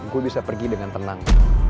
gue bisa pergi dengan tenang